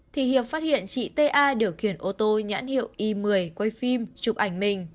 thì hiệp phát hiện chị t a điều kiển ô tô nhãn hiệu y một mươi quay phim chụp ảnh mình